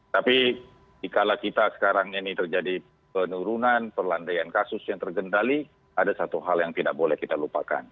tapi dikala kita sekarang ini terjadi penurunan perlandaian kasus yang tergendali ada satu hal yang tidak boleh kita lupakan